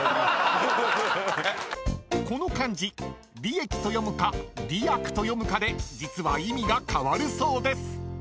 ［この漢字「りえき」と読むか「りやく」と読むかで実は意味が変わるそうです］